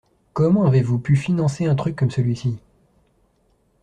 Comment avez-vous pu financer un truc comme celui-ci.